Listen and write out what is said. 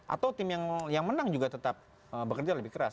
atau tim yang menang juga tetap bekerja lebih keras